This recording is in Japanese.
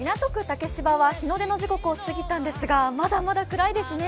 竹芝は日の出の時刻を過ぎたんですがまだまだ暗いですね。